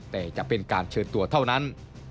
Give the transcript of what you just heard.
แต่จะเป็นการเชิญตัวเท่านั้น